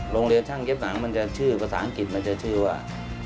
โรงเรียนช่างเย็บหนังมันจะชื่อภาษาอังกฤษมันจะชื่อว่า